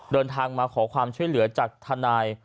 เดินทางมาขอความช่วยเหลือจากทนาย